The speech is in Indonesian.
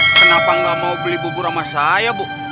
kenapa nggak mau beli bubur sama saya bu